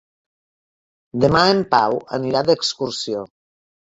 Demà en Pau anirà d'excursió.